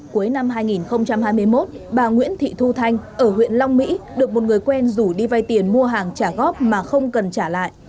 cuối năm hai nghìn hai mươi một bà nguyễn thị thu thanh ở huyện long mỹ được một người quen rủ đi vay tiền mua hàng trả góp mà không cần trả lại